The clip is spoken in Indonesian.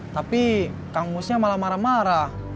tapi kang musnya malah marah marah